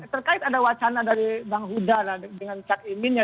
terkait ada wacana dari bang huda dengan cak imin ya